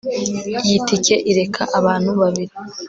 iyi tike ireka abantu babiri